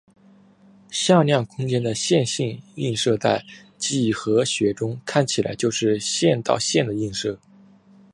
向量空间的线性映射在几何学中看起来就是线到线的映射。